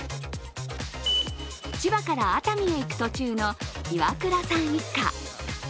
千葉から熱海へ行く途中の岩倉さん一家。